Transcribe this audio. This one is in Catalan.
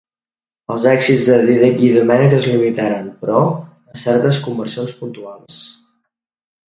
Els èxits de Dídac i Domènec es limitaren, però, a certes conversions puntuals.